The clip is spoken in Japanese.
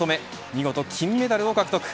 見事金メダルを獲得。